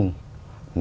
nó sẽ giảm đàn